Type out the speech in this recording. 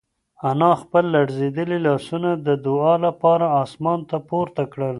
انا خپل لړزېدلي لاسونه د دعا لپاره اسمان ته پورته کړل.